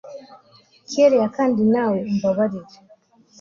kellia kandi nawe umbabarire